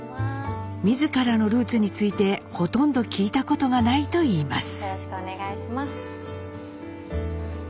自らのルーツについてほとんど聞いたことがないといいます。